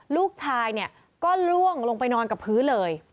ลูกชายเนี่ยก็ล่วงลงไปนอนกับพื้นเลย